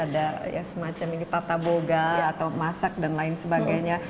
ada ya semacam ini tata boga atau masak dan lain sebagainya